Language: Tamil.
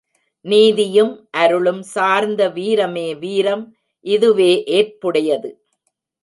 நீதியும் அருளும் சார்ந்த வீரமே வீரம் இதுவே ஏற்புடையது.